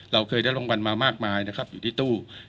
เราเคยได้รางวัลมามากมายนะครับอยู่ที่ตู้